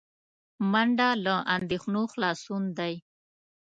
منډه له اندېښنو خلاصون دی